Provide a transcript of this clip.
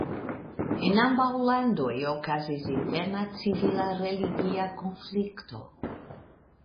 En ambaŭ landoj okazis interna civila religia konflikto.